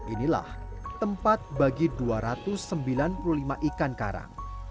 inilah tempat bagi dua ratus sembilan puluh lima ikan karang